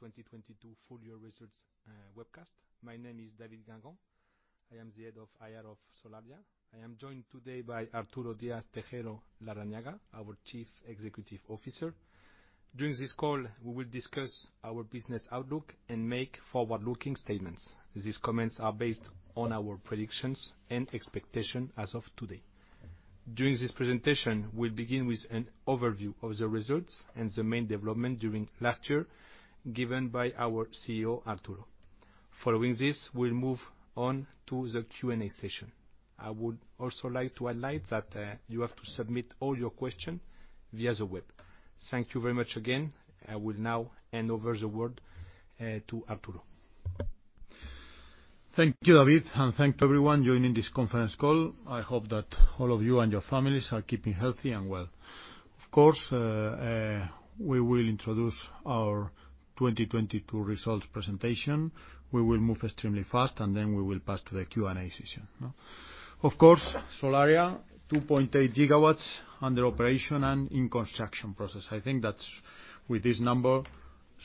2022 full year results webcast. My name is David Guengant. I am the Head of IR of Solaria. I am joined today by Arturo Díaz-Tejero Larrañaga, our Chief Executive Officer. During this call, we will discuss our business outlook and make forward-looking statements. These comments are based on our predictions and expectation as of today. During this presentation, we'll begin with an overview of the results and the main development during last year given by our CEO, Arturo. Following this, we'll move on to the Q&A session. I would also like to highlight that you have to submit all your question via the web. Thank you very much again. I will now hand over the word to Arturo. Thank you, David, and thank to everyone joining this conference call. I hope that all of you and your families are keeping healthy and well. Of course, we will introduce our 2022 results presentation. We will move extremely fast, and then we will pass to the Q&A session, you know. Of course, Solaria, 2.8 gigawatts under operation and in construction process. I think that's, with this number,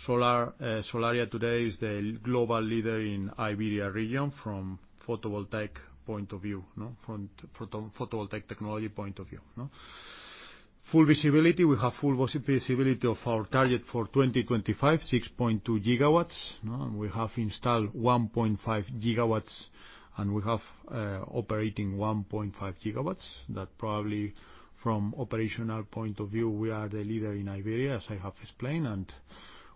Solar, Solaria today is the global leader in Iberia region from photovoltaic point of view, no, from photovoltaic technology point of view, no. Full visibility, we have full visibility of our target for 2025, 6.2 gigawatts, no. We have installed 1.5 gigawatts, and we have operating 1.5 gigawatts. Probably from operational point of view, we are the leader in Iberia, as I have explained, and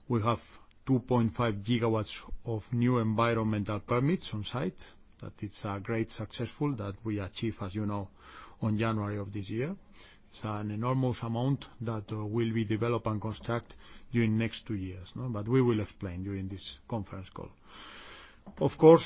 we have 2.5 gigawatts of new environmental permits on site. That is a great successful that we achieve, as you know, on January of this year. It's an enormous amount that will be developed and construct during next two years, no. We will explain during this conference call. Of course,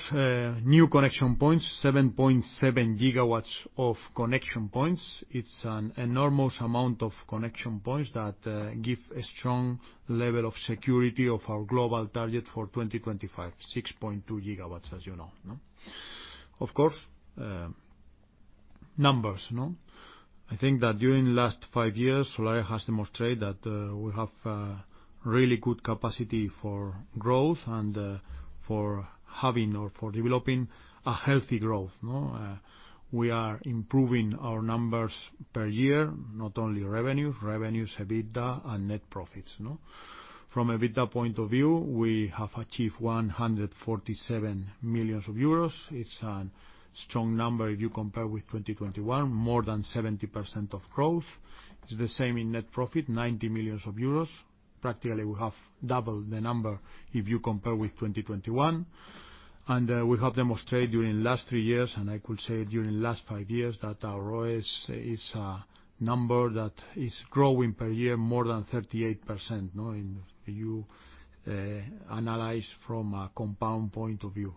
new connection points, 7.7 gigawatts of connection points. It's an enormous amount of connection points that give a strong level of security of our global target for 2025, 6.2 gigawatts, as you know, no. Of course, numbers, you know. I think that during the last five years, Solaria has demonstrated that we have really good capacity for growth and for having or for developing a healthy growth, no. We are improving our numbers per year, not only revenue, EBITDA and net profits. From EBITDA point of view, we have achieved 147 million euros. It's an strong number if you compare with 2021, more than 70% of growth. It's the same in net profit, 90 million euros. Practically, we have double the number if you compare with 2021. We have demonstrated during last three years, and I could say during last five years, that our ROIC is a number that is growing per year more than 38%, if you analyze from a compound point of view.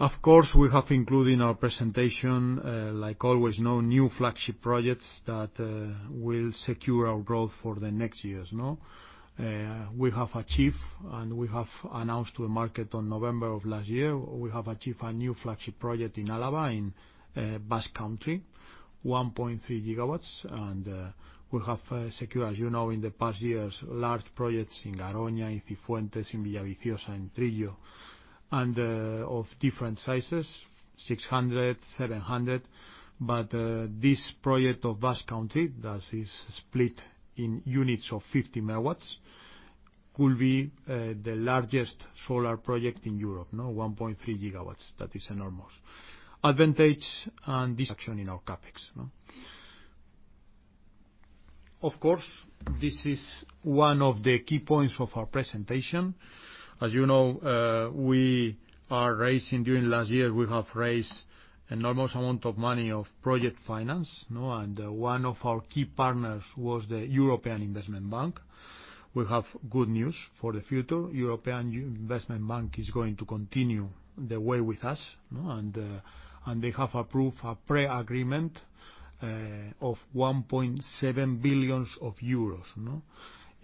Of course, we have included in our presentation, like always, new flagship projects that will secure our growth for the next years. We have achieved, we have announced to the market on November of last year, we have achieved a new flagship project in Álava in Basque Country, 1.3 gigawatts. We have secured, as you know, in the past years, large projects in Garoña, in Cifuentes, in Villaviciosa, in Trillo, of different sizes, 600, 700. This project of Basque Country that is split in units of 50 megawatts could be the largest solar project in Europe, 1.3 gigawatts. That is enormous. Advantage and this action in our CapEx. Of course, this is one of the key points of our presentation. As you know, we are raising during last year, we have raised an enormous amount of money of project finance, and one of our key partners was the European Investment Bank. We have good news for the future. European Investment Bank is going to continue the way with us, no, and they have approved a pre-agreement of 1.7 billion euros, you know.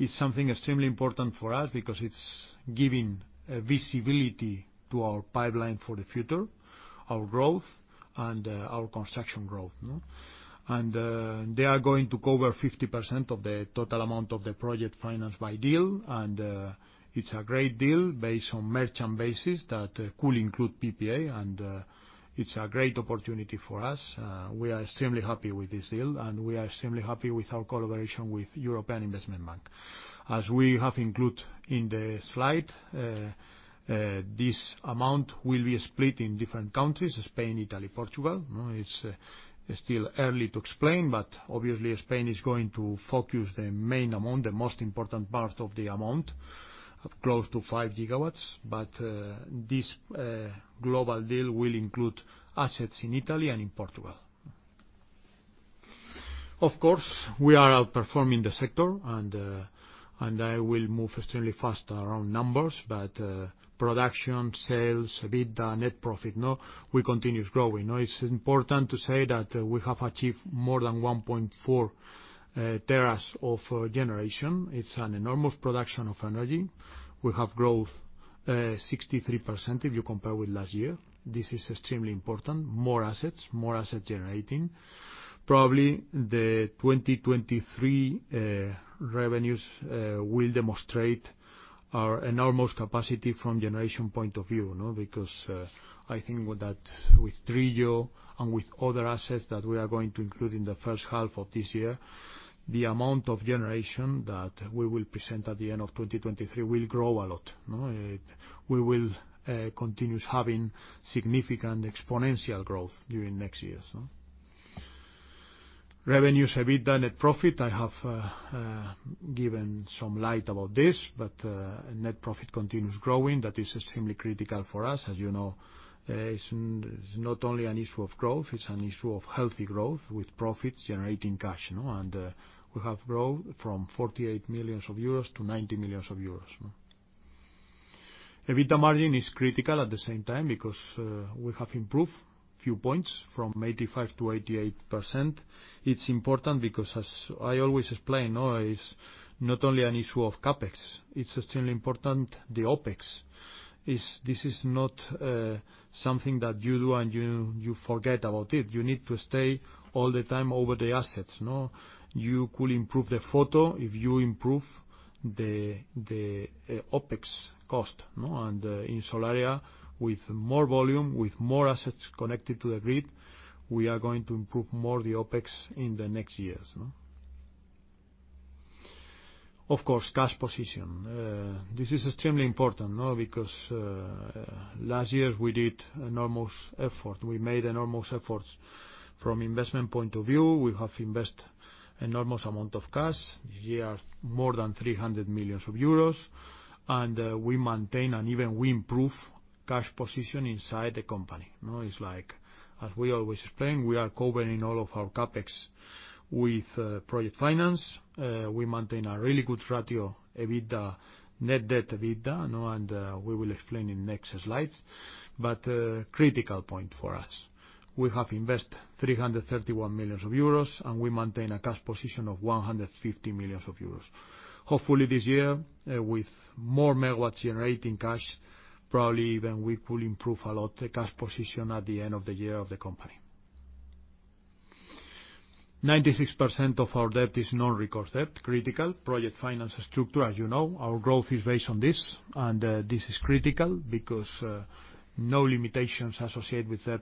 It's something extremely important for us because it's giving visibility to our pipeline for the future, our growth and our construction growth, no. They are going to cover 50% of the total amount of the project financed by deal, and it's a great deal based on merchant basis that could include PPA, and it's a great opportunity for us. We are extremely happy with this deal, and we are extremely happy with our collaboration with European Investment Bank. As we have include in the slide, this amount will be split in different countries, Spain, Italy, Portugal. It's still early to explain, obviously, Spain is going to focus the main amount, the most important part of the amount, of close to 5 gigawatts. This global deal will include assets in Italy and in Portugal. Of course, we are outperforming the sector, I will move extremely fast around numbers, production, sales, EBITDA, net profit, we continue growing. It's important to say that we have achieved more than 1.4 teras of generation. It's an enormous production of energy. We have growth 63% if you compare with last year. This is extremely important. More assets generating. Probably the 2023 revenues will demonstrate our enormous capacity from generation point of view, no? I think with that, with Trillo and with other assets that we are going to include in the first half of this year, the amount of generation that we will present at the end of 2023 will grow a lot, no? We will continue having significant exponential growth during next years, no? Revenues, EBITDA, net profit, I have given some light about this, net profit continues growing. That is extremely critical for us. As you know, it's not only an issue of growth, it's an issue of healthy growth with profits generating cash, no? We have grown from 48 million euros to 90 million euros, no? EBITDA margin is critical at the same time because we have improved few points from 85% to 88%. It's important because as I always explain, no, it's not only an issue of CapEx, it's extremely important the OpEx. This is not something that you do and you forget about it. You need to stay all the time over the assets, no? You could improve the photo if you improve the OpEx cost, no? In Solaria, with more volume, with more assets connected to the grid, we are going to improve more the OpEx in the next years, no? Of course, cash position. This is extremely important, no? Last year we did enormous effort. We made enormous efforts from investment point of view. We have invest enormous amount of cash. Here, more than 300 million euros, we maintain and even we improve cash position inside the company, no? It's like, as we always explain, we are covering all of our CapEx with project finance. We maintain a really good ratio, EBITDA, net debt/EBITDA, no? We will explain in next slides. Critical point for us, we have invest 331 million euros, and we maintain a cash position of 150 million euros. Hopefully this year, with more megawatts generating cash, probably even we could improve a lot the cash position at the end of the year of the company. 96% of our debt is non-recourse debt, critical. Project finance structure, as you know, our growth is based on this, and this is critical because no limitations associated with debt.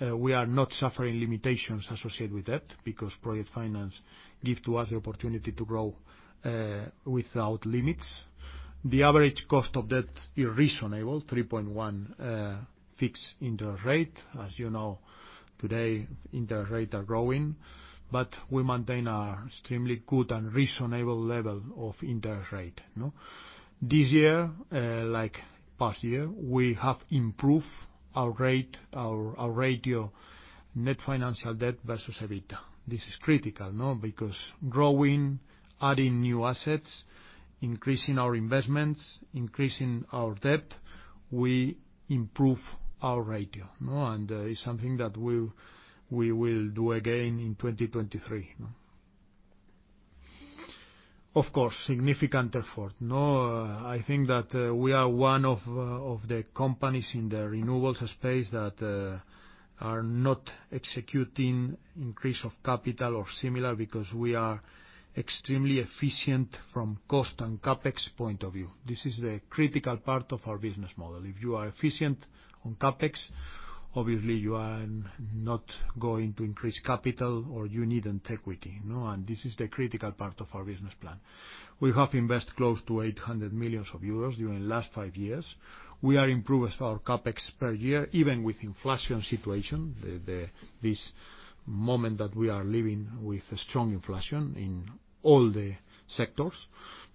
We are not suffering limitations associated with debt because project finance give to us the opportunity to grow without limits. The average cost of debt is reasonable, 3.1 fixed interest rate. As you know, today, interest rate are growing, but we maintain a extremely good and reasonable level of interest rate, no? This year, like past year, we have improved our rate, our ratio net financial debt versus EBITDA. This is critical, no? Because growing, adding new assets, increasing our investments, increasing our debt, we improve our ratio, no? It's something that we'll, we will do again in 2023, no? Of course, significant effort, no? I think that we are one of the companies in the renewables space that are not executing increase of capital or similar because we are extremely efficient from cost and CapEx point of view. This is the critical part of our business model. If you are efficient on CapEx, obviously you are not going to increase capital or you need [equity], you know? This is the critical part of our business plan. We have invest close to 800 million euros during last five years. We are improved our CapEx per year, even with inflation situation, the this moment that we are living with strong inflation in all the sectors.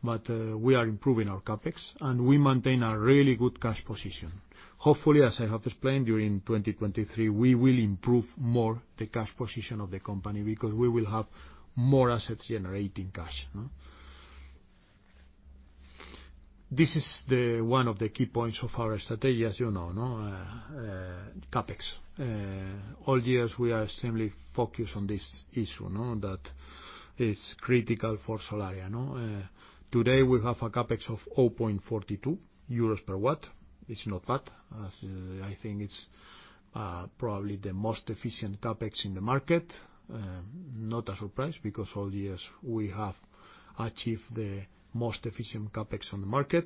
We are improving our CapEx, and we maintain a really good cash position. Hopefully, as I have explained, during 2023, we will improve more the cash position of the company because we will have more assets generating cash, no? This is the, one of the key points of our strategy, as you know, no? CapEx. All years we are extremely focused on this issue, no? That is critical for Solaria, no? Today we have a CapEx of 0.42 euros per watt. It's not bad. As, I think it's probably the most efficient CapEx in the market. Not a surprise because all years we have achieved the most efficient CapEx on the market.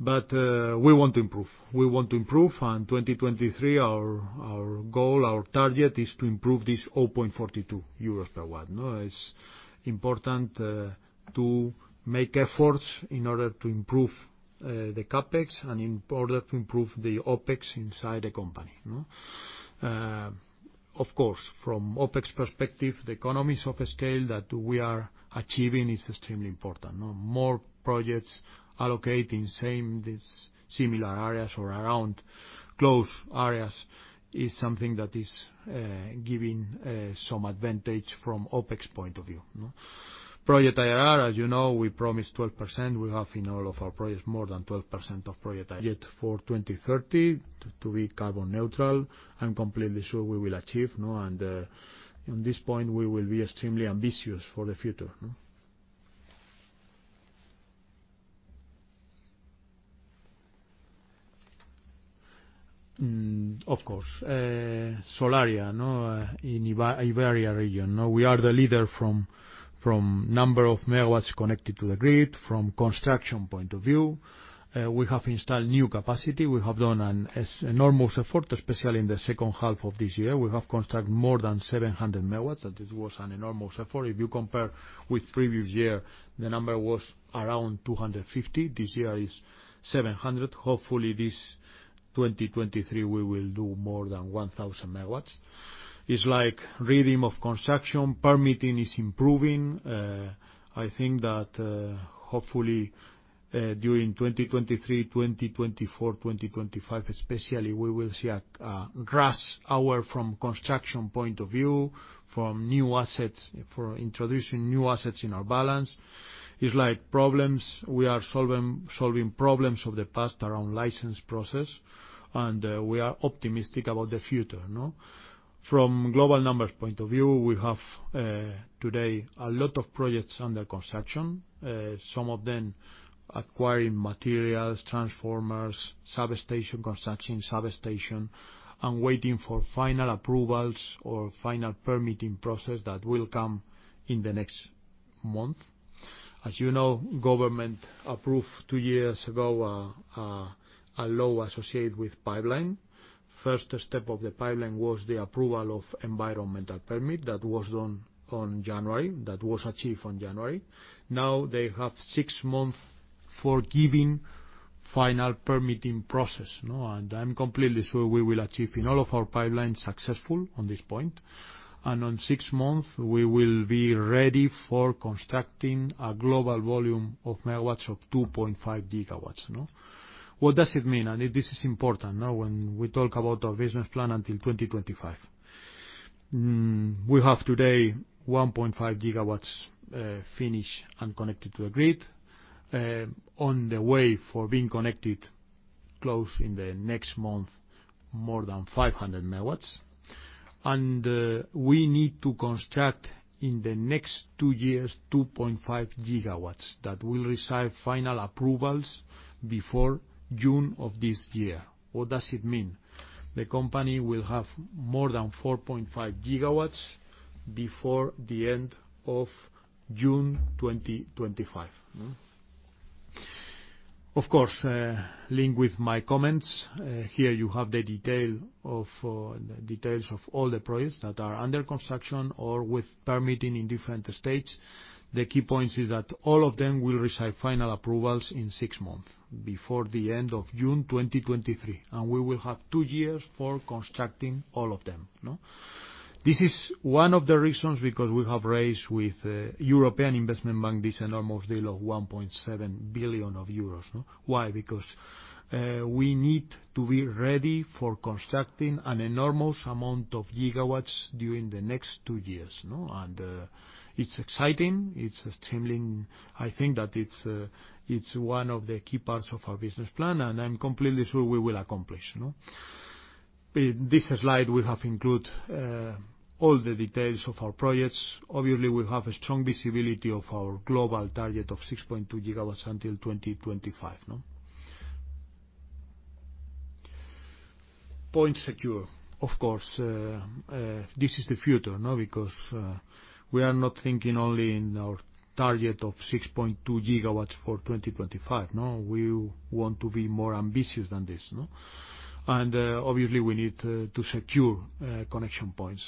We want to improve. We want to improve, and in 2023, our goal, our target, is to improve this 0.42 euros per watt, no? It's important to make efforts in order to improve the CapEx and in order to improve the OpEx inside the company, no? Of course, from OpEx perspective, the economies of scale that we are achieving is extremely important, no? More projects allocating same, these similar areas or around close areas is something that is giving some advantage from OpEx point of view, no? Project IRR, as you know, we promised 12%. We have in all of our projects more than 12% of project IRR. Yet for 2030, to be carbon neutral, I'm completely sure we will achieve, no? In this point, we will be extremely ambitious for the future, no? Of course. Solaria, no, in Iberia region, no? We are the leader from number of megawatts connected to the grid, from construction point of view. We have installed new capacity. We have done an enormous effort, especially in the second half of this year. We have construct more than 700 megawatts. That it was an enormous effort. If you compare with previous year, the number was around 250. This year is 700. Hopefully, this 2023 we will do more than 1,000 megawatts. It's like rhythm of construction, permitting is improving. I think that hopefully during 2023, 2024, 2025 especially, we will see a [gross order] from construction point of view, from new assets, for introducing new assets in our balance. It's like problems. We are solving problems of the past around license process. We are optimistic about the future, no? From global numbers point of view, we have today a lot of projects under construction, some of them acquiring materials, transformers, substation construction, substation, waiting for final approvals or final permitting process that will come in the next month. As you know, government approved two years ago a law associated with pipeline. First step of the pipeline was the approval of environmental permit. That was done on January. That was achieved on January. Now they have six months for giving final permitting process. I'm completely sure we will achieve in all of our pipeline successful on this point. On six months, we will be ready for constructing a global volume of megawatts of 2.5 gigawatts. What does it mean? This is important when we talk about our business plan until 2025. We have today 1.5 gigawatts finished and connected to the grid. On the way for being connected close in the next month, more than 500 megawatts. We need to construct in the next two years, 2.5 gigawatts that will receive final approvals before June of this year. What does it mean? The company will have more than 4.5 gigawatts before the end of June 2025. Of course, link with my comments, here you have the detail of the details of all the projects that are under construction or with permitting in different states. The key points is that all of them will receive final approvals in six months, before the end of June 2023, and we will have two years for constructing all of them, no? This is one of the reasons because we have raised with European Investment Bank this enormous deal of 1.7 billion euros, no? Why? Because we need to be ready for constructing an enormous amount of gigawatts during the next two years, no? It's exciting. It's extremely... I think that it's one of the key parts of our business plan, and I'm completely sure we will accomplish, you know? In this slide, we have include all the details of our projects. Obviously, we have a strong visibility of our global target of 6.2 GW until 2025. Points secure. Of course, this is the future. We are not thinking only in our target of 6.2 GW for 2025. We want to be more ambitious than this. Obviously, we need to secure connection points.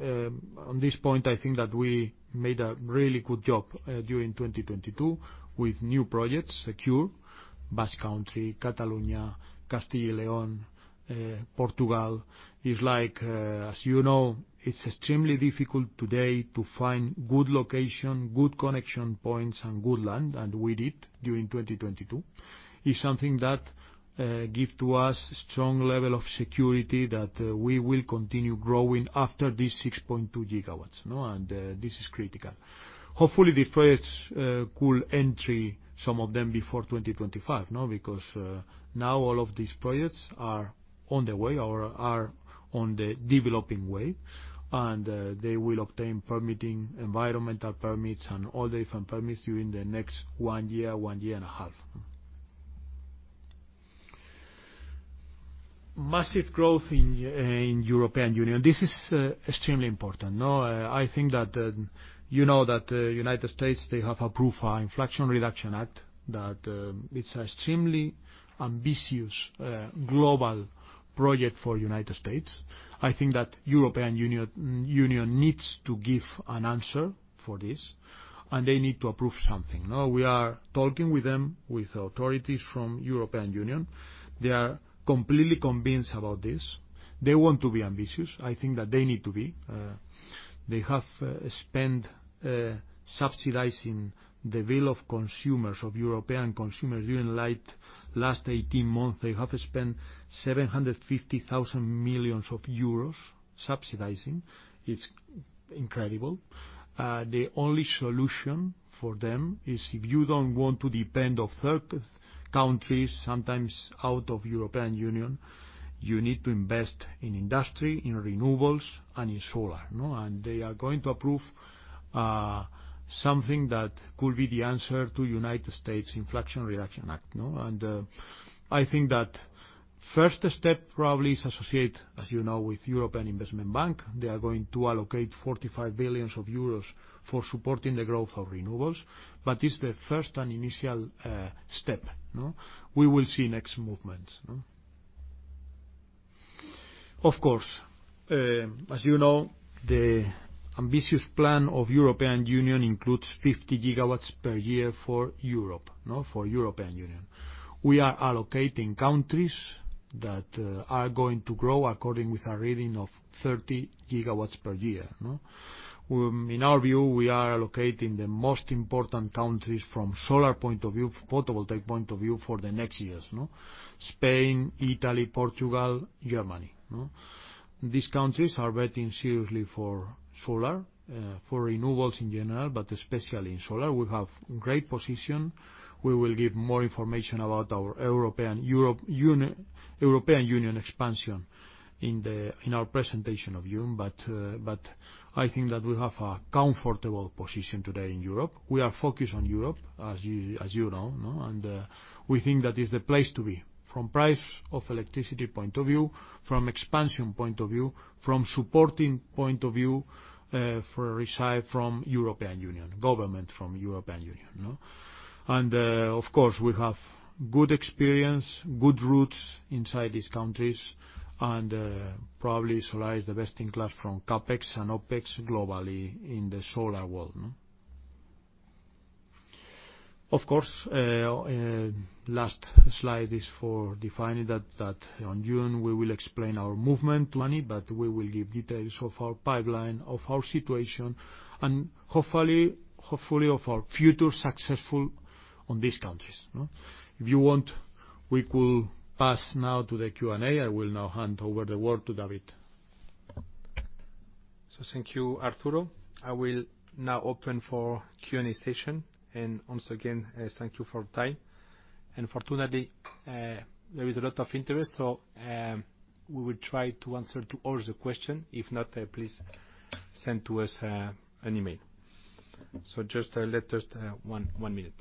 On this point, I think that we made a really good job during 2022 with new projects secure, Basque Country, Catalonia, Castile and León, Portugal. It's like, as you know, it's extremely difficult today to find good location, good connection points, and good land, and we did during 2022. It's something that give to us strong level of security that we will continue growing after these 6.2 gigawatts, no? This is critical. Hopefully, the projects could entry some of them before 2025, no? Now all of these projects are on the way or are on the developing way, and they will obtain permitting, environmental permits, and all the different permits during the next one year, one year and a half. Massive growth in European Union. This is extremely important, no? I think that you know that United States, they have approved a Inflation Reduction Act that it's extremely ambitious global project for United States. I think that European Union needs to give an answer for this, and they need to approve something, no? We are talking with them, with authorities from European Union. They are completely convinced about this. They want to be ambitious. I think that they need to be. They have spent subsidizing the will of consumers, of European consumers during late last 18 months. They have spent 750 billion euros subsidizing. It's incredible. The only solution for them is if you don't want to depend on third countries, sometimes out of European Union, you need to invest in industry, in renewables, and in solar, no? They are going to approve something that could be the answer to United States Inflation Reduction Act, no? First step probably is associate, as you know, with European Investment Bank. They are going to allocate 45 billion euros for supporting the growth of renewables. It's the first and initial step, no? We will see next movements, no? Of course, as you know, the ambitious plan of European Union includes 50 gigawatts per year for Europe, no, for European Union. We are allocating countries that are going to grow according with a reading of 30 gigawatts per year, no? In our view, we are allocating the most important countries from solar point of view, photovoltaic point of view for the next years, no? Spain, Italy, Portugal, Germany, no? These countries are betting seriously for solar, for renewables in general, but especially in solar. We have great position. We will give more information about our European Union expansion in the, in our presentation of June. I think that we have a comfortable position today in Europe. We are focused on Europe, as you know, no? We think that is the place to be from price of electricity point of view, from expansion point of view, from supporting point of view, for reside from European Union, government from European Union, no? Of course, we have good experience, good roots inside these countries. Probably Solaria is the best in class from CapEx and OpEx globally in the solar world, no? Of course, last slide is for defining that on June we will explain our movement money, but we will give details of our pipeline, of our situation, and hopefully of our future successful on these countries, no? If you want, we could pass now to the Q&A. I will now hand over the word to David. Thank you, Arturo. I will now open for Q&A session. Once again, thank you for time. Fortunately, there is a lot of interest, so we will try to answer to all the question. If not, please send to us an email. Just let us one minute.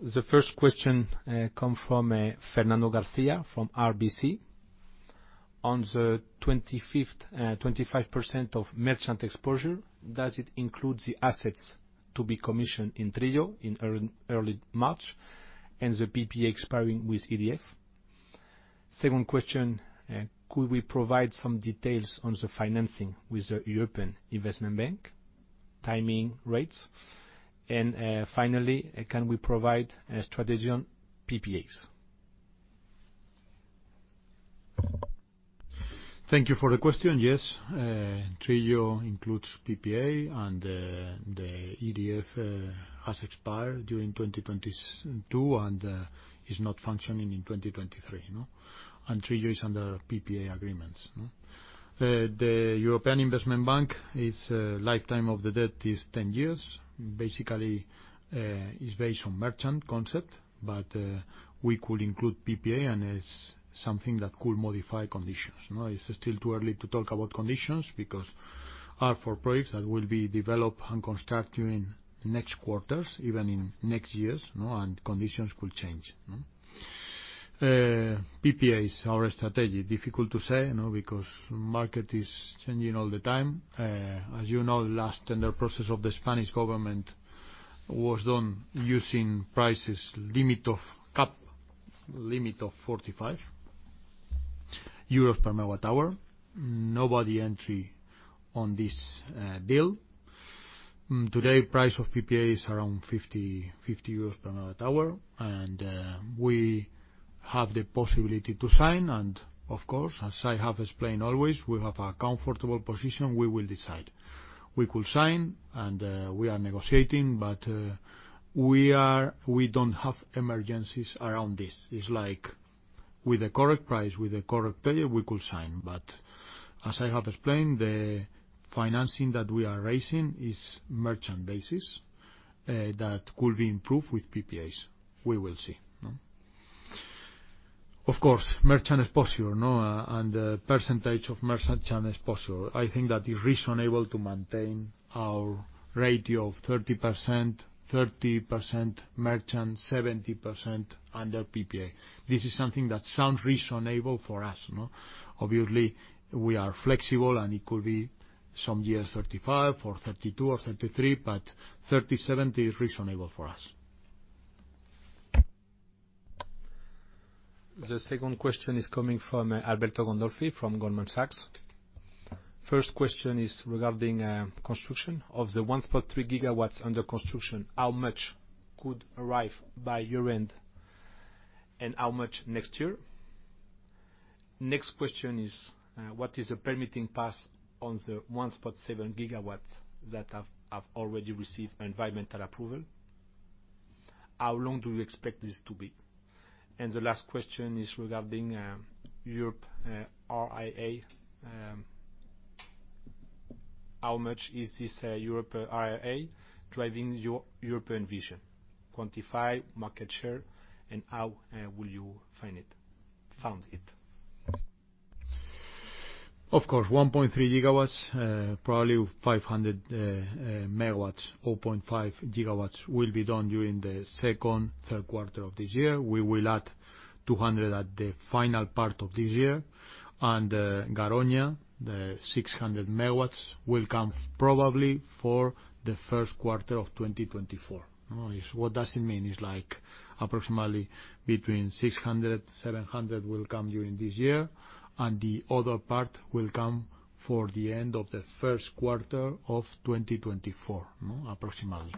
The first question come from Fernando Garcia from RBC. On the 25% of merchant exposure, does it include the assets to be commissioned in Trillo in early March and the PPA expiring with EDF? Second question, could we provide some details on the financing with the European Investment Bank, timing, rates? Finally, can we provide a strategy on PPAs? Thank you for the question. Yes, Trillo includes PPA, and the EDF has expired during 2022 and is not functioning in 2023, no? Trillo is under PPA agreements, no? The European Investment Bank, its lifetime of the debt is 10 years. Basically, it's based on merchant concept, but we could include PPA, and it's something that could modify conditions, no? It's still too early to talk about conditions because are for projects that will be developed and construct during next quarters, even in next years, no? Conditions could change, no? PPAs, our strategy, difficult to say, you know, because market is changing all the time. As you know, last tender process of the Spanish government was done using prices limit of cap, limit of 45 euros per megawatt hour. Nobody entry on this deal. Today price of PPA is around 50 per megawatt hour, we have the possibility to sign and of course, as I have explained always, we have a comfortable position, we will decide. We could sign, we are negotiating, we don't have emergencies around this. It's like with the correct price, with the correct payer, we could sign. As I have explained, the financing that we are raising is merchant basis, that could be improved with PPAs. We will see, no? Of course, merchant exposure, no, the % of merchant channel exposure. I think that is reasonable to maintain our ratio of 30%: 30% merchant, 70% under PPA. This is something that sounds reasonable for us, no? Obviously, we are flexible, and it could be some years 35 or 32 or 33, but 37 is reasonable for us. The second question is coming from Alberto Gandolfi from Goldman Sachs. First question is regarding construction. Of the 1.3 gigawatts under construction, how much could arrive by year-end, and how much next year? Next question is, what is the permitting pass on the 1.7 gigawatts that have already received environmental approval? How long do you expect this to be? The last question is regarding Europe RIA. How much is this Europe RIA driving your European vision? Quantify market share and how will you fund it? Of course, 1.3 gigawatts, probably 500 megawatts or 0.5 gigawatts will be done during the second, third quarter of this year. We will add 200 at the final part of this year. Garoña, the 600 megawatts will come probably for the first quarter of 2024. No? What does it mean? It's like approximately between 600, 700 will come during this year, and the other part will come for the end of the first quarter of 2024, no, approximately.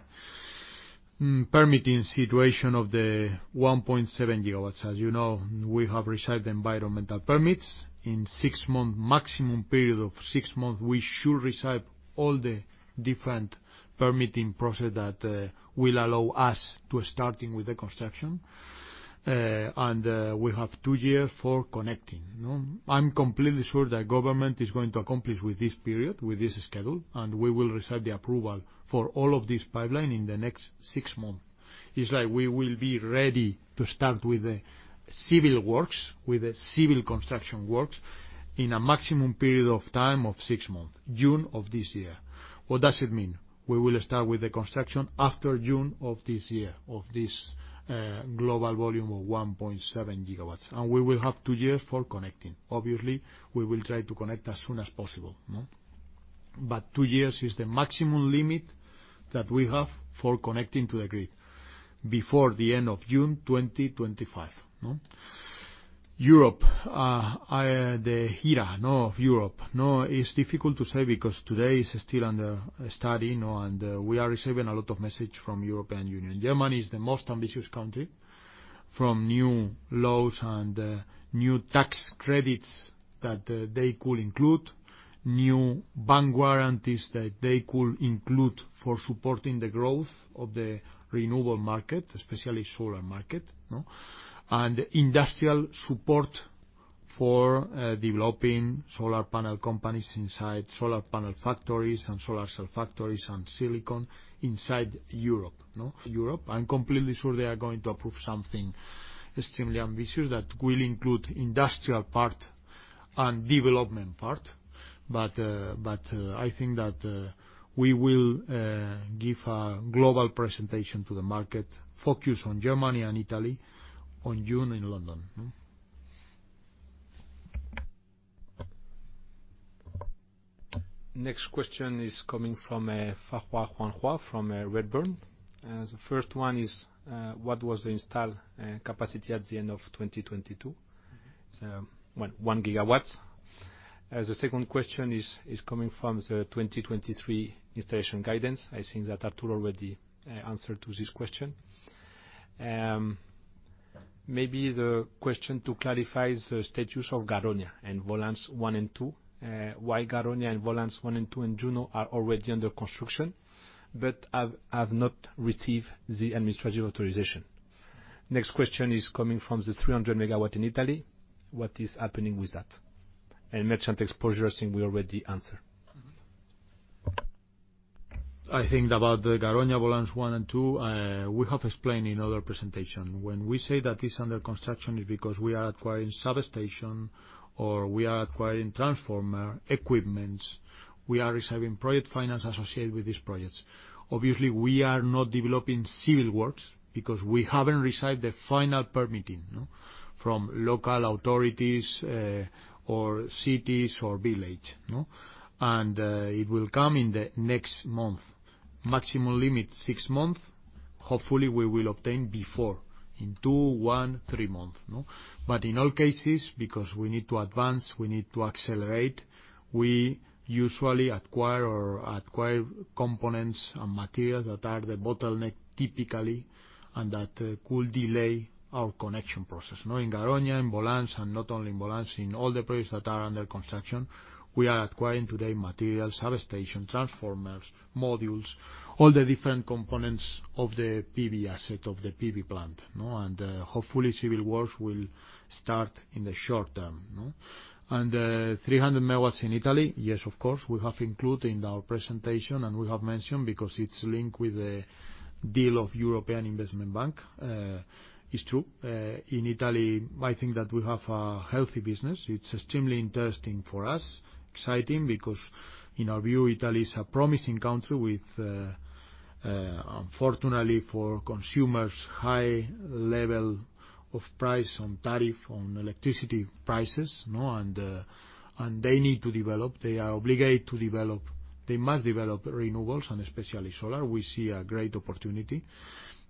Permitting situation of the 1.7 gigawatts. As you know, we have received environmental permits. In six months, maximum period of six months, we should receive all the different permitting process that will allow us to starting with the construction. We have two years for connecting. No? I'm completely sure that government is going to accomplish with this period, with this schedule. We will receive the approval for all of this pipeline in the next six months. It's like we will be ready to start with the civil works, with the civil construction works in a maximum period of time of six months, June of this year. What does it mean? We will start with the construction after June of this year, of this global volume of 1.7 gigawatts. We will have two years for connecting. Obviously, we will try to connect as soon as possible, no? two years is the maximum limit that we have for connecting to the grid before the end of June 2025, no? Europe, the ERA, no, of Europe. It's difficult to say because today is still under study, no, and we are receiving a lot of messages from European Union. Germany is the most ambitious country from new laws and new tax credits that they could include, new bank warranties that they could include for supporting the growth of the renewable market, especially solar market, no? Industrial support for developing solar panel companies inside solar panel factories and solar cell factories and silicon inside Europe, no? Europe, I'm completely sure they are going to approve something extremely ambitious that will include industrial part and development part. I think that we will give a global presentation to the market, focused on Germany and Italy on June in London. No? Next question is coming from Fernando Lafuente from Redburn. The first one is, what was the install capacity at the end of 2022? So 1 GW. The second question is coming from the 2023 installation guidance. I think that Arturo already answered to this question. Maybe the question to clarify is the status of Garoña and Volans 1 and 2. Why Garoña and Volans 1 and 2 and Juno are already under construction but have not received the administrative authorization. Next question is coming from the 300 MW in Italy. What is happening with that? Merchant exposure, I think we already answered. I think about the Garoña, Volans 1 and 2, we have explained in our presentation. When we say that it's under construction, it's because we are acquiring substation or we are acquiring transformer equipments. We are receiving project finance associated with these projects. Obviously, we are not developing civil works because we haven't received the final permitting, no, from local authorities, or cities or village, no? It will come in the next month. Maximum limit, six months. Hopefully, we will obtain before, in two, one, three months, no? In all cases, because we need to advance, we need to accelerate, we usually acquire components and materials that are the bottleneck typically and that could delay our connection process, no? In Garoña, in Volans, and not only in Volans, in all the projects that are under construction, we are acquiring today materials, substation, transformers, modules, all the different components of the PV asset, of the PV plant, no? Hopefully, civil works will start in the short term, no? 300 megawatts in Italy, yes, of course, we have included in our presentation, and we have mentioned because it's linked with the deal of European Investment Bank. It's true. In Italy, I think that we have a healthy business. It's extremely interesting for us, exciting, because in our view, Italy is a promising country with, unfortunately for consumers, high level of price on tariff, on electricity prices, no? They need to develop, they are obligated to develop, they must develop renewables, and especially solar. We see a great opportunity.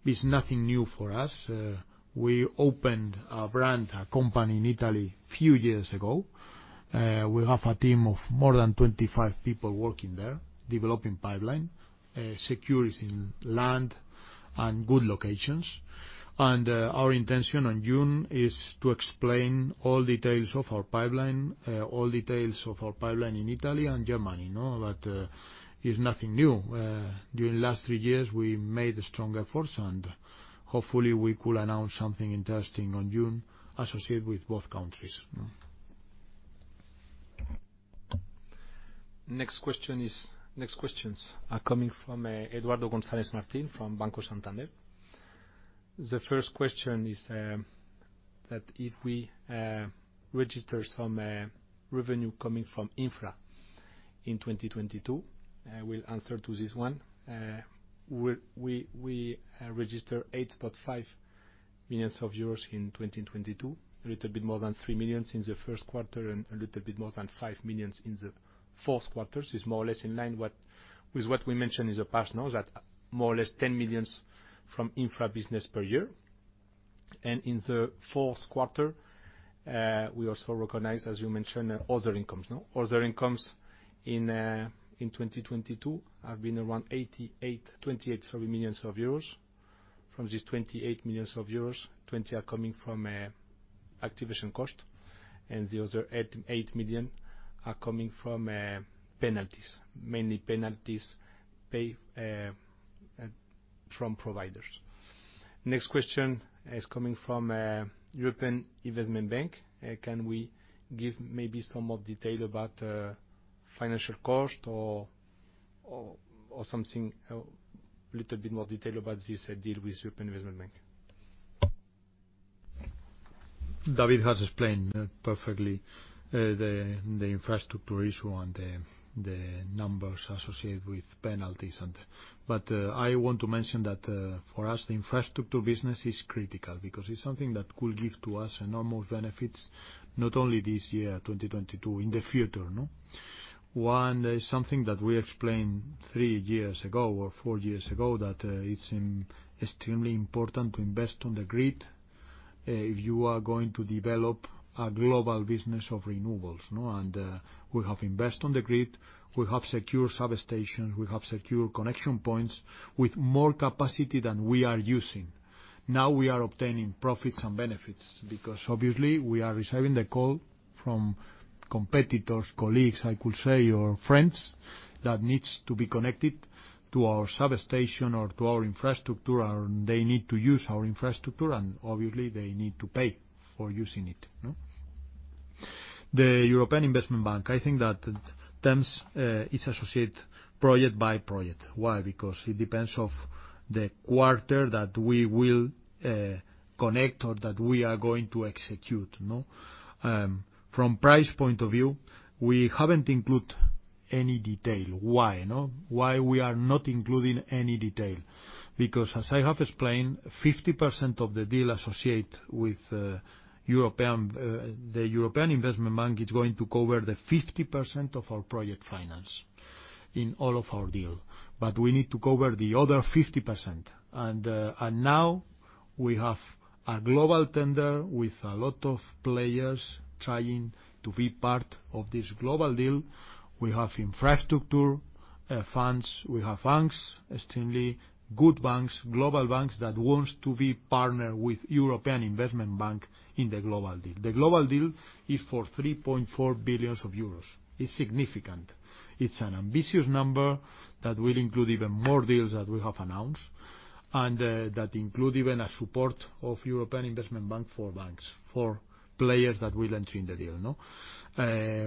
It's nothing new for us. We opened a brand, a company in Italy few years ago. We have a team of more than 25 people working there, developing pipeline, securing land and good locations. Our intention in June is to explain all details of our pipeline, all details of our pipeline in Italy and Germany, no? It's nothing new. During last three years, we made a stronger force, and hopefully we could announce something interesting in June associated with both countries, no? Next questions are coming from Eduardo González Martín from Banco Santander. The first question is that if we register some revenue coming from infra in 2022, I will answer to this one. We register 8.5 million euros in 2022, a little bit more than 3 million in the first quarter and a little bit more than 5 million in the fourth quarters. It's more or less in line with what we mentioned in the past, no, that more or less 10 million from infra business per year. In the fourth quarter, we also recognize, as you mentioned, other incomes, no? Other incomes in 2022 have been around 28 million euros, sorry. From these 28 million euros, 20 are coming from activation cost, the other 8 million are coming from penalties, mainly penalties paid from providers. Next question is coming from European Investment Bank. Can we give maybe some more detail about financial cost or something a little bit more detail about this deal with European Investment Bank? David has explained perfectly the infrastructure issue and the numbers associated with penalties and... I want to mention that for us, the infrastructure business is critical because it's something that could give to us enormous benefits, not only this year, 2022, in the future, no? One is something that we explained three years ago or four years ago, that it's extremely important to invest on the grid if you are going to develop a global business of renewables, no? We have invest on the grid, we have secure substations, we have secure connection points with more capacity than we are using. We are obtaining profits and benefits because obviously we are receiving the call from competitors, colleagues, I could say, or friends that needs to be connected to our substation or to our infrastructure, and they need to use our infrastructure, and obviously they need to pay for using it, no? The European Investment Bank, I think that terms, is associated project by project. Why? Because it depends of the quarter that we will connect or that we are going to execute, no? From price point of view, we haven't include any detail. Why, no? Why we are not including any detail? Because as I have explained, 50% of the deal associated with the European Investment Bank is going to cover the 50% of our project finance in all of our deal. We need to cover the other 50%. Now we have a global tender with a lot of players trying to be part of this global deal. We have infrastructure funds. We have banks, extremely good banks, global banks that wants to be partner with European Investment Bank in the global deal. The global deal is for 3.4 billion euros. It's significant. It's an ambitious number that will include even more deals that we have announced, that include even a support of European Investment Bank for banks, for players that will enter in the deal, no?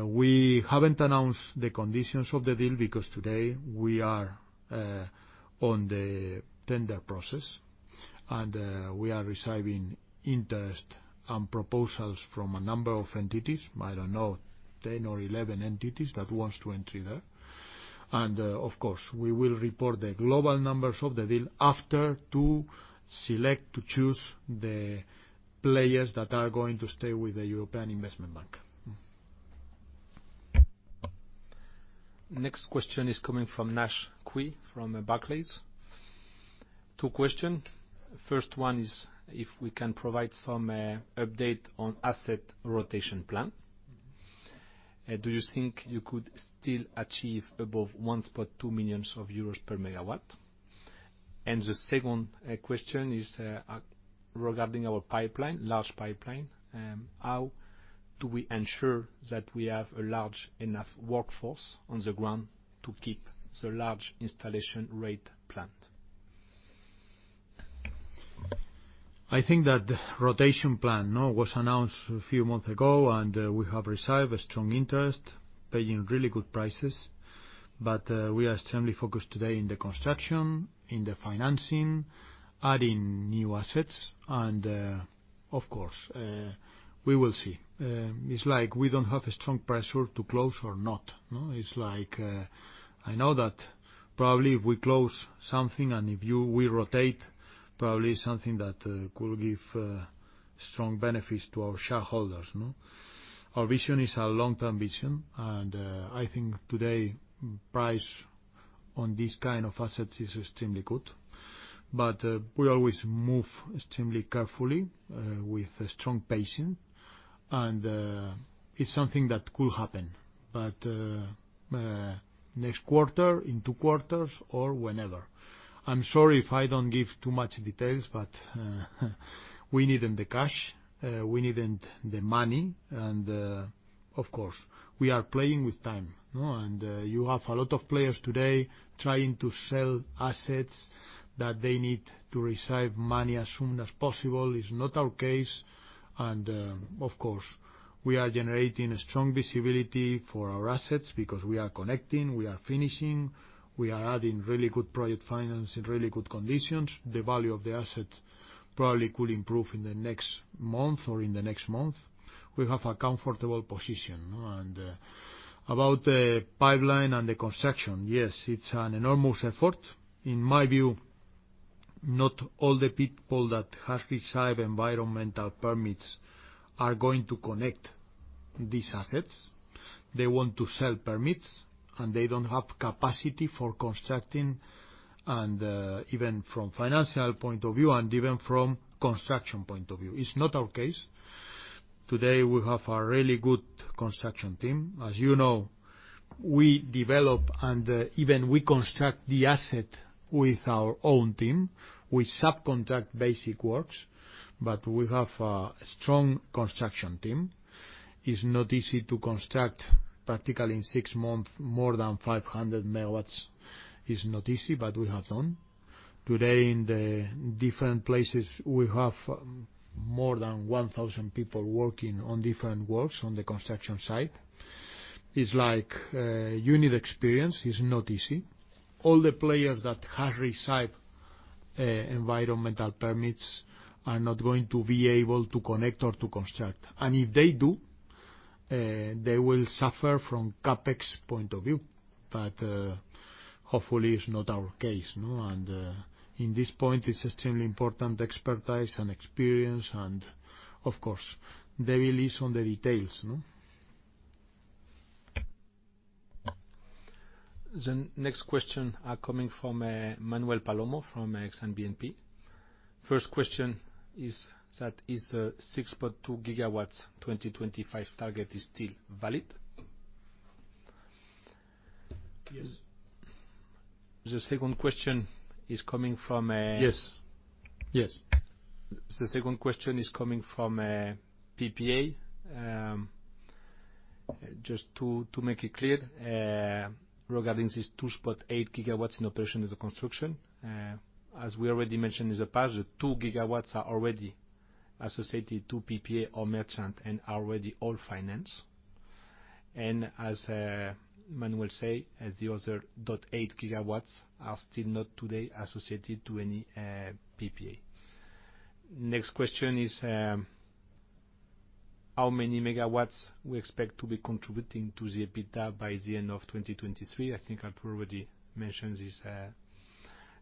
We haven't announced the conditions of the deal because today we are on the tender process, we are receiving interest and proposals from a number of entities. I don't know, 10 or 11 entities that wants to enter there. Of course, we will report the global numbers of the deal after to select, to choose the players that are going to stay with the European Investment Bank. Next question is coming from Naish Cui from Barclays. Two question. First one is if we can provide some update on asset rotation plan. Do you think you could still achieve above 1.2 million euros per megawatt? The second question is regarding our pipeline, large pipeline, how do we ensure that we have a large enough workforce on the ground to keep the large installation rate planned? I think that rotation plan, no, was announced a few months ago, and we have received a strong interest, paying really good prices. We are extremely focused today in the construction, in the financing, adding new assets, and of course, we will see. It's like we don't have a strong pressure to close or not, no? It's like, I know that probably if we close something and if we rotate, probably something that could give Strong benefits to our shareholders, no? Our vision is a long-term vision, and I think today, price on this kind of assets is extremely good. We always move extremely carefully, with a strong pacing, and it's something that could happen, but next quarter, in two quarters, or whenever. I'm sorry if I don't give too much details, but we needn't the cash, we needn't the money, of course, we are playing with time, no? You have a lot of players today trying to sell assets that they need to receive money as soon as possible. It's not our case. Of course, we are generating strong visibility for our assets because we are connecting, we are finishing, we are adding really good project finance in really good conditions. The value of the assets probably could improve in the next month or in the next month. We have a comfortable position, no? About the pipeline and the construction, yes, it's an enormous effort. In my view, not all the people that has received environmental permits are going to connect these assets. They want to sell permits, they don't have capacity for constructing, even from financial point of view and even from construction point of view. It's not our case. Today, we have a really good construction team. As you know, we develop, even we construct the asset with our own team. We subcontract basic works, we have a strong construction team. It's not easy to construct practically in six months more than 500 megawatts. It's not easy, we have done. Today, in the different places, we have more than 1,000 people working on different works on the construction site. It's like, you need experience. It's not easy. All the players that has received environmental permits are not going to be able to connect or to construct. If they do, they will suffer from CapEx point of view. hopefully, it's not our case, no? in this point, it's extremely important, expertise and experience and of course, the [devil's in] the details, no? The next question are coming from, Manuel Palomo from Exane BNP. First question is 6.2 gigawatts 2025 target is still valid? Yes. The second question is coming from. Yes. Yes. The second question is coming from PPA. Just to make it clear, regarding this 2.8 gigawatts in operation is a construction. As we already mentioned in the past, 2 gigawatts are already associated to PPA or merchant and already all finance. As Manuel says, as the other 0.8 gigawatts are still not today associated to any PPA. Next question is, how many megawatts we expect to be contributing to the EBITDA by the end of 2023? I think I've already mentioned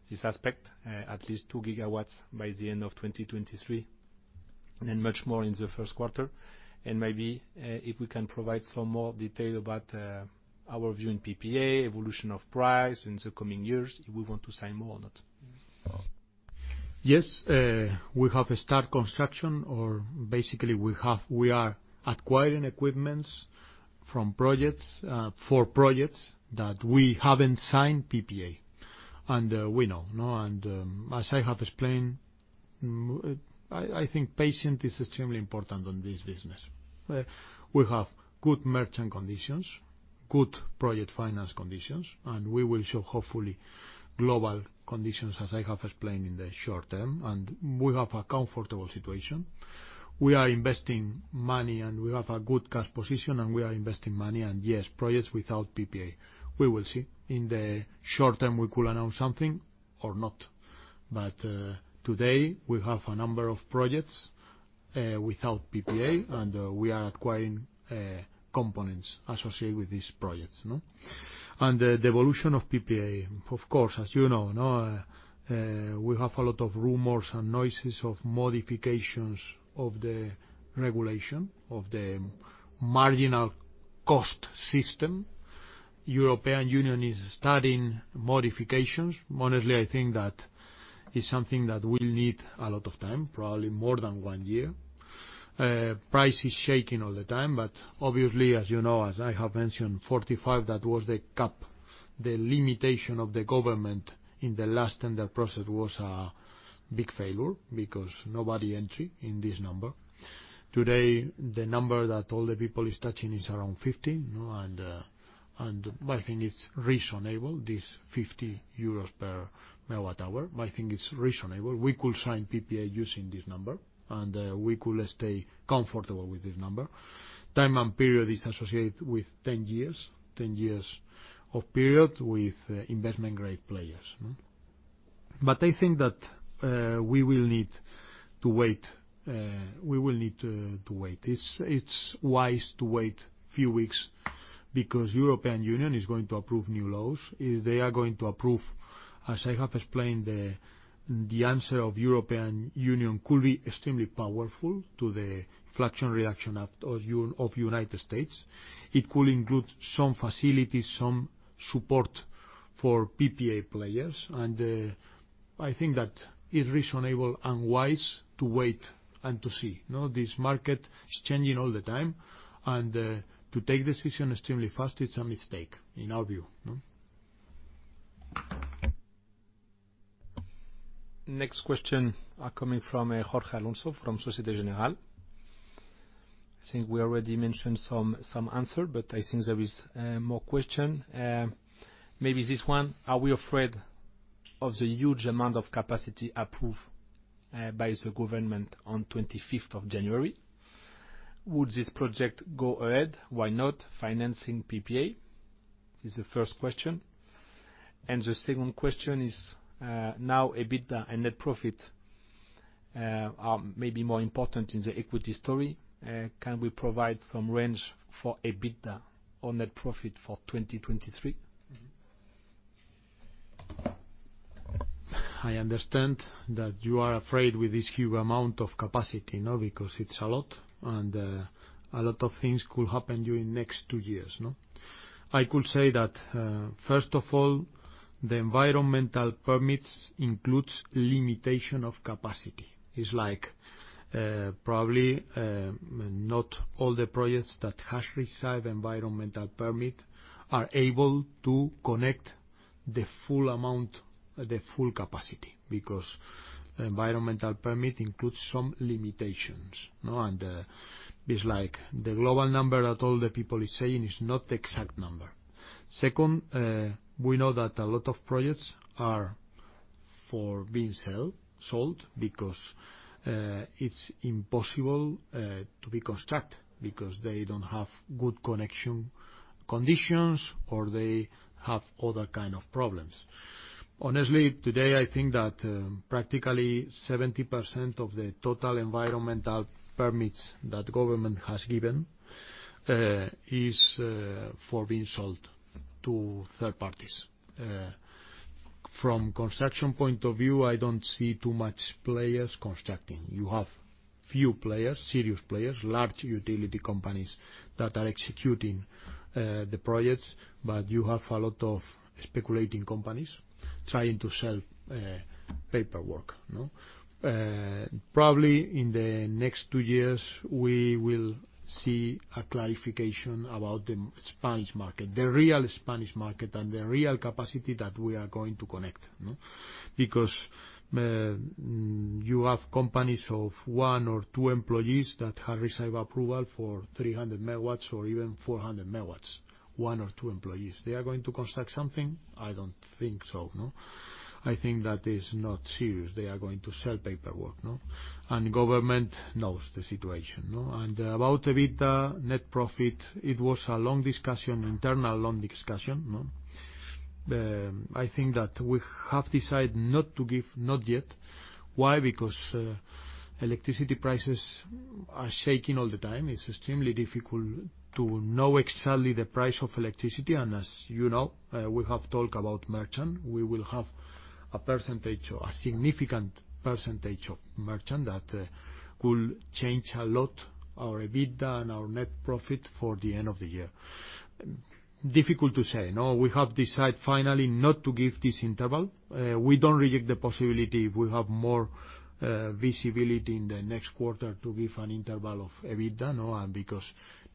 this aspect, at least 2 gigawatts by the end of 2023 and then much more in the first quarter. Maybe, if we can provide some more detail about our view in PPA, evolution of price in the coming years, if we want to sign more or not. Yes. we have start construction or basically, we are acquiring equipments from projects for projects that we haven't signed PPA. We know, no? As I have explained, I think patient is extremely important on this business. We have good merchant conditions, good project finance conditions, and we will show, hopefully, global conditions as I have explained in the short term. We have a comfortable situation. We are investing money, and we have a good cash position, and we are investing money. Yes, projects without PPA. We will see. In the short term, we could announce something or not. Today, we have a number of projects without PPA, and we are acquiring components associated with these projects, no? The evolution of PPA, of course, as you know, no, we have a lot of rumors and noises of modifications of the regulation, of the marginal cost system. European Union is studying modifications. Honestly, I think that is something that will need a lot of time, probably more than one year. Price is shaking all the time, but obviously, as you know, as I have mentioned, 45, that was the cap. The limitation of the government in the last tender process was a big failure because nobody entry in this number. Today, the number that all the people is touching is around 15, no, and I think it's reasonable, this 50 euros per megawatt-hour. I think it's reasonable. We could sign PPA using this number, and we could stay comfortable with this number. Time and period is associated with 10 years. 10 years of period with investment-grade players, no? I think that we will need to wait. It's wise to wait few weeks because European Union is going to approve new laws. If they are going to approve, as I have explained, the answer of European Union could be extremely powerful to the Inflation Reduction Act of United States. It could include some facilities, some support for PPA players. I think that it's reasonable and wise to wait and to see, no? This market is changing all the time. To take decision extremely fast, it's a mistake in our view, no? Next question are coming from Jorge Alonso from Société Générale. I think we already mentioned some answer, but I think there is more question. Maybe this one: Are we afraid of the huge amount of capacity approved by the government on 25th of January? Would this project go ahead? Why not financing PPA? This is the first question. The second question is, now, EBITDA and net profit are maybe more important in the equity story. Can we provide some range for EBITDA or net profit for 2023? I understand that you are afraid with this huge amount of capacity, you know, because it's a lot, a lot of things could happen during next two years, no. I could say that, first of all, the environmental permits includes limitation of capacity. It's like, probably, not all the projects that has received environmental permit are able to connect the full amount, the full capacity because environmental permit includes some limitations, no. It's like the global number that all the people is saying is not the exact number. Second, we know that a lot of projects are for being sold because it's impossible to be construct because they don't have good connection conditions, or they have other kind of problems. Honestly, today, I think that practically 70% of the total environmental permits that government has given is for being sold to third parties. From construction point of view, I don't see too much players constructing. You have few players, serious players, large utility companies that are executing the projects, but you have a lot of speculating companies trying to sell paperwork, no? Probably in the next two years, we will see a clarification about the Spanish market, the real Spanish market, and the real capacity that we are going to connect, no? You have companies of one or two employees that have received approval for 300 megawatts or even 400 megawatts, one or two employees. They are going to construct something? I don't think so, no? I think that is not serious. They are going to sell paperwork, no? Government knows the situation, no? About EBITDA net profit, it was a long discussion, internal long discussion, no? I think that we have decided not to give, not yet. Why? Because electricity prices are shaking all the time. It's extremely difficult to know exactly the price of electricity, and as you know, we have talked about merchant. We will have a percentage or a significant percentage of merchant that could change a lot our EBITDA and our net profit for the end of the year. Difficult to say, no? We have decided finally not to give this interval. We don't reject the possibility if we have more visibility in the next quarter to give an interval of EBITDA, no? Because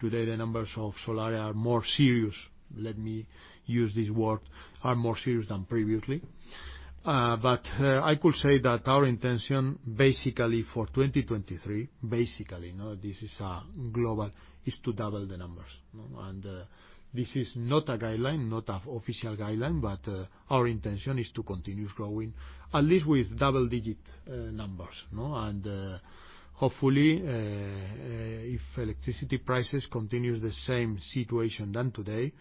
today, the numbers of Solaria are more serious, let me use this word, are more serious than previously. I could say that our intention basically for 2023, basically, this is a global, is to double the numbers. This is not a guideline, not an official guideline, but our intention is to continue growing at least with double-digit numbers. Hopefully, if electricity prices continue the same situation than today,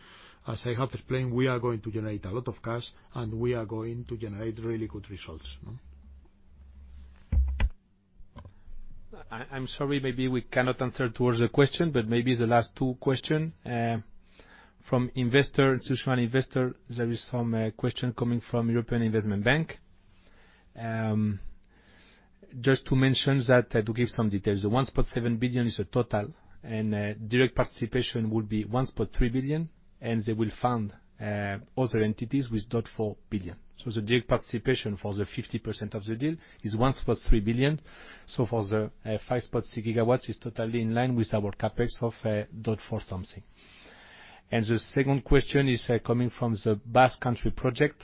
as I have explained, we are going to generate a lot of cash, and we are going to generate really good results. I'm sorry, maybe we cannot answer towards the question. Maybe the last two question from investor, institutional investor. There is some question coming from European Investment Bank. Just to mention that, to give some details, the 1.7 billion is a total. Direct participation would be 1.3 billion, and they will fund other entities with 0.4 billion. The direct participation for the 50% of the deal is 1.3 billion. For the 5.6 gigawatts is totally in line with our CapEx of 0.4 something. The second question is coming from the Basque Country project.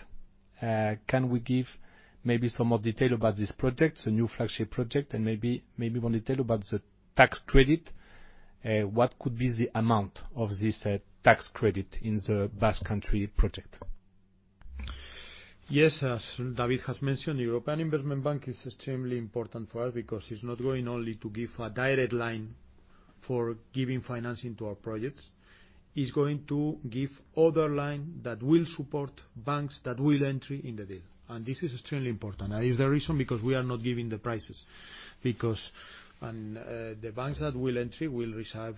Can we give maybe some more detail about this project, the new flagship project, and maybe more detail about the tax credit? What could be the amount of this tax credit in the Basque Country project? Yes. As David has mentioned, European Investment Bank is extremely important for us because it's not going only to give a direct line for giving financing to our projects. Is going to give other line that will support banks that will entry in the deal, and this is extremely important. Is the reason because we are not giving the prices. The banks that will entry will receive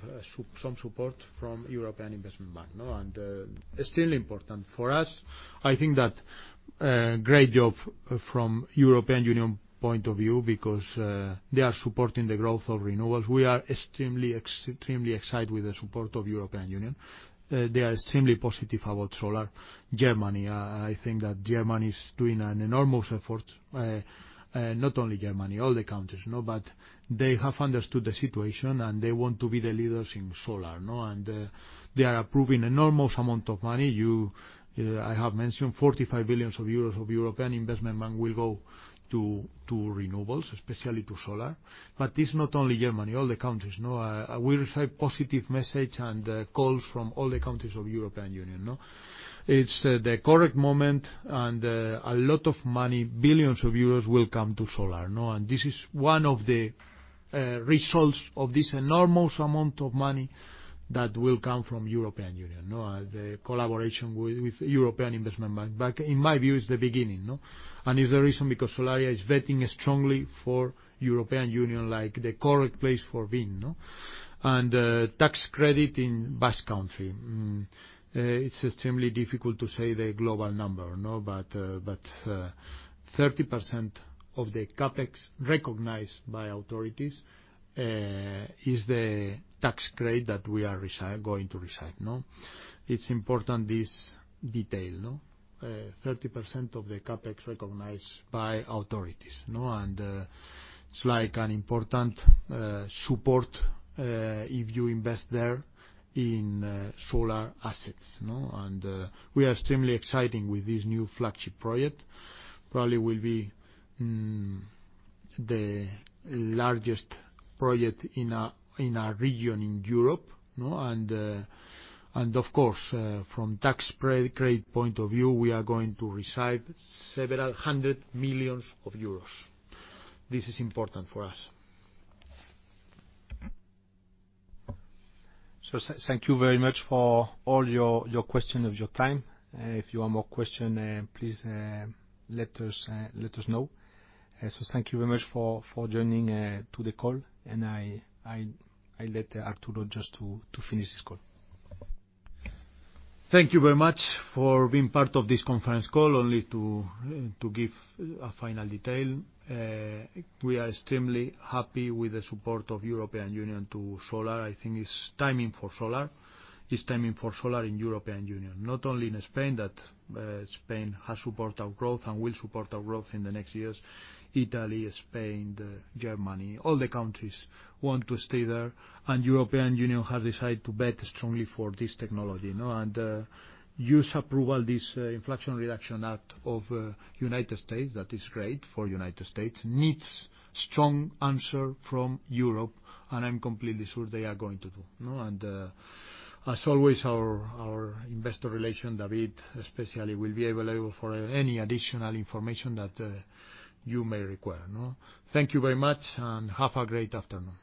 some support from European Investment Bank, no? Extremely important for us, I think that great job from European Union point of view because they are supporting the growth of renewables. We are extremely excited with the support of European Union. They are extremely positive about solar. Germany, I think that Germany is doing an enormous effort, not only Germany, all the countries, no? They have understood the situation, and they want to be the leaders in solar, no? They are approving enormous amount of money. I have mentioned 45 billion euros of European Investment Bank will go to renewables, especially to solar. It's not only Germany, all the countries, no? We receive positive message and calls from all the countries of European Union, no? It's the correct moment and a lot of money, billions of EUR, will come to solar, no? This is one of the results of this enormous amount of money that will come from European Union, no? The collaboration with European Investment Bank. In my view, it's the beginning, no? Is the reason because Solaria is vetting strongly for European Union, like, the correct place for being, no? Tax credit in Basque Country. It's extremely difficult to say the global number, no? 30% of the CapEx recognized by authorities is the tax credit that we are going to receive, no? It's important this detail, no? 30% of the CapEx recognized by authorities, no? It's like an important support if you invest there in solar assets, no? We are extremely exciting with this new flagship project. Probably will be the largest project in a region in Europe, no? Of course, from tax credit point of view, we are going to receive several hundred million EUR. This is important for us. Thank you very much for all your question and your time. If you have more question, please let us know. Thank you very much for joining to the call, and I let Arturo just to finish this call. Thank you very much for being part of this conference call. Only to give a final detail. We are extremely happy with the support of European Union to solar. I think it's timing for solar. It's timing for solar in European Union, not only in Spain has support our growth and will support our growth in the next years. Italy, Spain, Germany, all the countries want to stay there, European Union has decided to bet strongly for this technology, no? U.S. approval this Inflation Reduction Act of United States, that is great for United States, needs strong answer from Europe, I'm completely sure they are going to do, no? As always, our Investor Relations, David Guengant especially, will be available for any additional information that you may require, no? Thank you very much, and have a great afternoon.